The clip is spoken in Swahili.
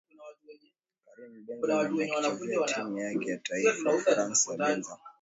Karim Benzema akiichezea timu yake ya taifa ya Ufaransa Benzema